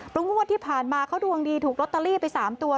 เพราะงวดที่ผ่านมาเขาดวงดีถูกลอตเตอรี่ไป๓ตัว